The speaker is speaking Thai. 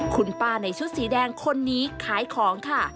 คุณป้าในชุดสีแดงคนนี้ขายของค่ะ